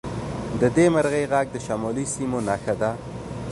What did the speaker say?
د دې مرغۍ غږ د شمالي سیمو نښه ده